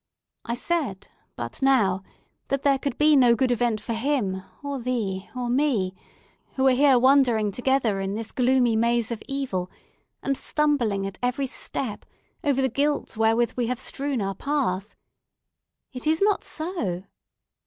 I said, but now, that there could be no good event for him, or thee, or me, who are here wandering together in this gloomy maze of evil, and stumbling at every step over the guilt wherewith we have strewn our path. It is not so!